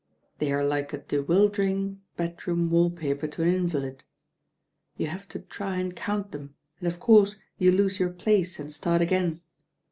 They are like a dewildering bed room wall paper to an invalid. You have to try and count them, and of course you lose your place and start again.